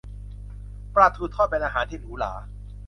ปลาทูทอดเป็นอาหารที่หรูหรา